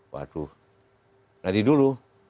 waduh nanti dulu